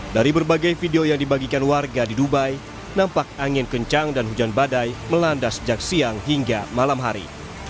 dari berbagai video yang dibagikan warga di dubai nampak angin kencang dan hujan badai melanda sejak siang hingga malam hari